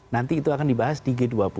nanti itu akan dibahas di g dua puluh